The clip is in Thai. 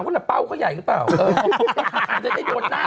ข้อมูลของเหยื่อเขาบอกว่า